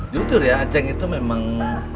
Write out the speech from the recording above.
jujur ya aceh itu memang